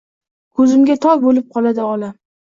Ko’zimga tor bo’lib qoladi olam